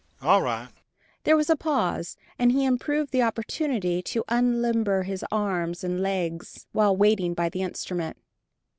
All right." There was a pause, and he improved the opportunity to unlimber his arms and legs, while waiting by the instrument.